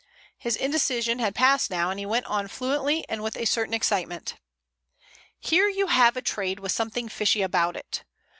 His indecision had passed now, and he went on fluently and with a certain excitement. "Here you have a trade with something fishy about it.